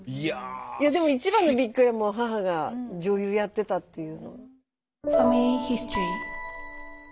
いやでもいちばんのびっくりはもう母が女優やってたっていうの。